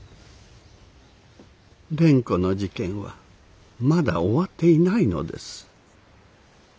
蓮子の事件はまだ終わっていないのです。